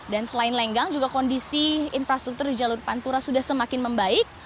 dan selain lenggang juga kondisi infrastruktur di jalur pantura sudah semakin membaik